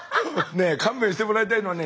ねえ勘弁してもらいたいのはね